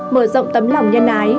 mở rộng tấm lòng nhân ái